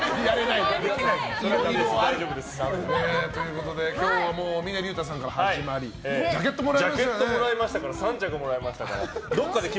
いろいろある！ということで今日は、峰竜太さんから始まり３着もらいましたから。